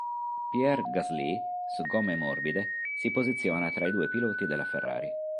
Pierre Gasly, su gomme morbide, si posiziona tra i due piloti della Ferrari.